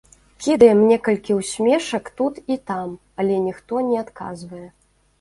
Кідаем некалькі ўсмешак тут і там, але ніхто не адказвае.